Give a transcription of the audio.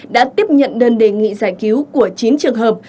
đã tiếp nhận đơn đề nghị giải cứu của chín trường hợp